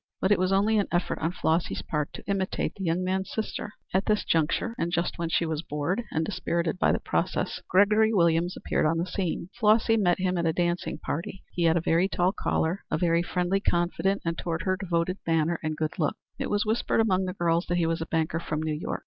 But it was only an effort on Flossy's part to imitate the young man's sister. At this juncture and just when she was bored and dispirited by the process, Gregory Williams appeared on the scene. Flossy met him at a dancing party. He had a very tall collar, a very friendly, confident, and (toward her) devoted manner, and good looks. It was whispered among the girls that he was a banker from New York.